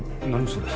それ。